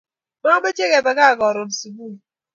Mache kepe gaa karun subui